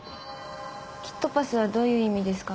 キットパスはどういう意味ですか？